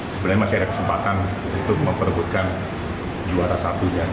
sebenarnya masih ada kesempatan untuk memperbutkan juara